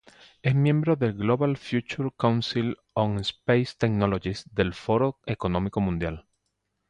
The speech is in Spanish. Es miembro del Global "Future Council on Space Technologies" del Foro Económico Mundial.